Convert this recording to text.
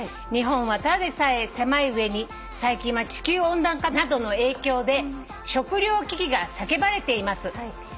「日本はただでさえ狭い上に最近は地球温暖化などの影響で食料危機が叫ばれています」